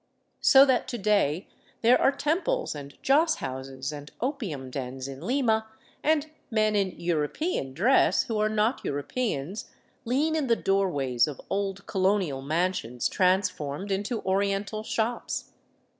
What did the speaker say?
So that to day there are temples and joss houses and opium dens in Lima, and men in " European " dress, who are not Europeans, lean in the doorways of old colonial mansions transformed into Oriental shops.